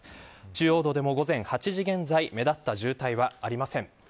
中央道でも午前８時現在目立った渋滞はありません。